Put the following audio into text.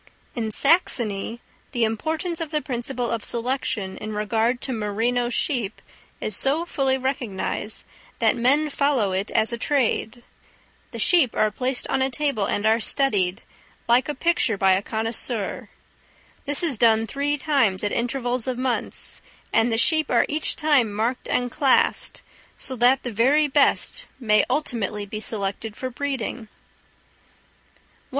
In Saxony the importance of the principle of selection in regard to merino sheep is so fully recognised, that men follow it as a trade: the sheep are placed on a table and are studied, like a picture by a connoisseur; this is done three times at intervals of months, and the sheep are each time marked and classed, so that the very best may ultimately be selected for breeding.